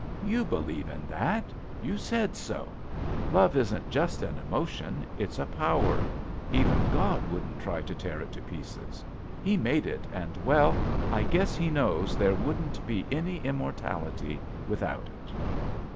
You believe in that. You said so. Love isn't just an emotion; it's a power. Even God wouldn't try to tear it to pieces. He made it and — ^well, I guess He knows there wouldn't be any immortality without it."